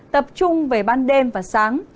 tập trung về ban đêm và sáng